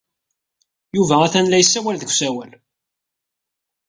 Yuba atan la yessawal deg usawal.